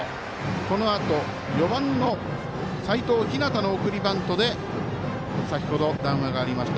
このあと、４番の齋藤陽の送りバントで先ほど談話がありました